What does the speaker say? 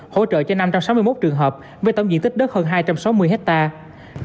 hỗ trợ cho năm trăm sáu mươi một trường hợp với tổng diện tích đất hơn hai trăm sáu mươi hectare